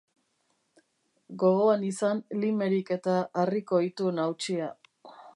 Gogoan izan Limerick eta harriko itun hautsia.